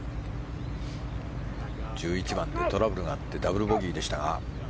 １１番でトラブルがあってダブルボギーでしたが。